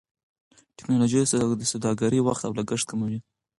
ټکنالوژي د سوداګرۍ وخت او لګښت کموي.